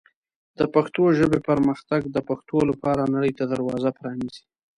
د پښتو ژبې پرمختګ د پښتو لپاره نړۍ ته دروازه پرانیزي.